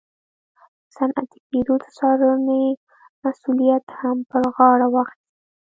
د صنعتي کېدو د څارنې مسوولیت هم پر غاړه واخیست.